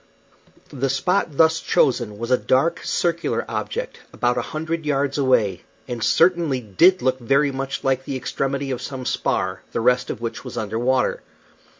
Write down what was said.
The spot thus chosen was a dark, circular object, about a hundred yards away, and certainly did look very much like the extremity of some spar, the rest of which was under water.